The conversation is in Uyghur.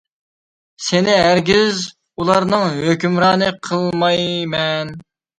سېنى ھەرگىز ئۇلارنىڭ ھۆكۈمرانى قىلمايمەن.